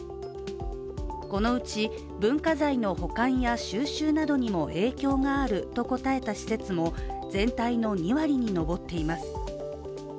このうち、文化財の保管や収集などにも影響があると答えた施設も全体の２割に上っています。